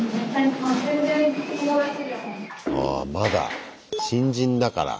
まだ新人だから。